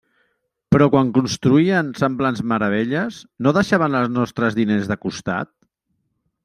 Però quan construïen semblants meravelles, no deixaven els nostres diners de costat?